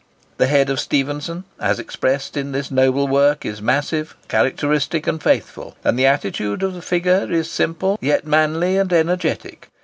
The head of Stephenson, as expressed in this noble work, is massive, characteristic, and faithful; and the attitude of the figure is simple yet manly and energetic.